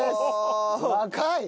若い！